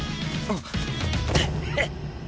あっ！